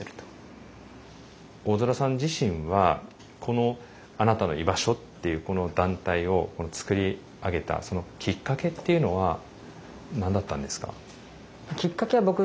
大空さん自身はこの「あなたのいばしょ」っていう団体をつくり上げたそのきっかけっていうのは何だったんですか？